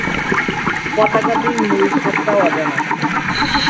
পতাকাটির মূল স্রষ্টা অজানা।